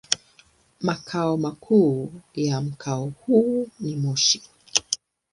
Makao makuu ya mkoa huu ni Moshi.